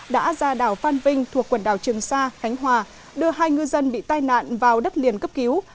đã ra đảo phan vinh thuộc quần đảo trường sa khánh hòa đưa hai ngư dân bị tai nạn vào đất liền cấp cứu